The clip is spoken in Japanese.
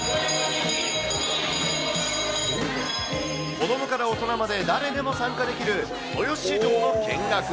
子どもから大人まで誰でも参加できる豊洲市場の見学。